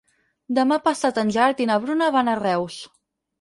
Demà passat en Gerard i na Bruna van a Reus.